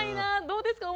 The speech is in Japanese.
どうですか？